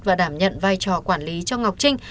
và đảm nhận vai trò quản lý cho ngọc trinh